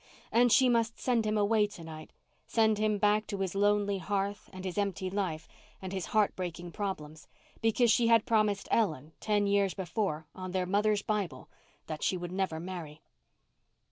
And she must send him away to night—send him back to his lonely hearth and his empty life and his heart breaking problems, because she had promised Ellen, ten years before, on their mother's Bible, that she would never marry.